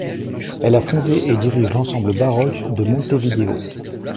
Elle a fondé et dirige l'Ensemble baroque de Montevideo.